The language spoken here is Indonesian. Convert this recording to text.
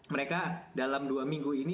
mereka dalam dua minggu ini